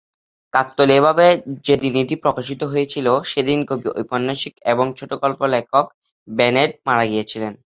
কাকতালীয়ভাবে যেদিন এটা প্রকাশিত হয়েছিল সেদিন কবি, ঐপন্যাসিক এবং ছোট-গল্প লেখক বেনেট মারা গিয়েছিলেন।